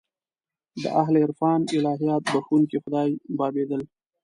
د اهل عرفان الهیات بخښونکی خدای بابېدل.